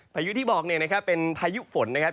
ภายุที่บอกเป็นภายุฝนนะครับ